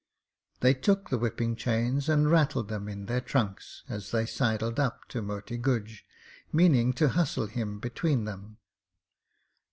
They took the whipping chains and rattled them in their trunks as they sidled up to Moti Guj, meaning to hustle him between them.